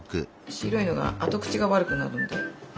白いのが後口が悪くなるんで。